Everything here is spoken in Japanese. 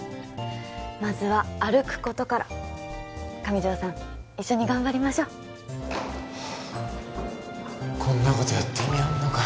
まずは歩くことから上条さん一緒に頑張りましょうこんなことやって意味あんのかよ